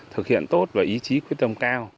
thực hiện tốt và ý chí quyết tâm cao